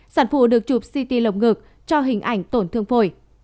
sản phụ được chụp ct lồng ngực cho hình ảnh tổn thương phổi